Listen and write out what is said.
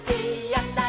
やった！